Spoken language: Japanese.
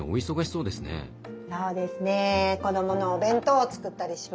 そうですね。